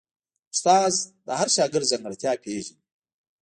استاد د هر شاګرد ځانګړتیا پېژني.